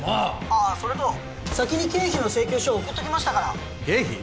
ああそれと先に経費の請求書送っときましたから経費？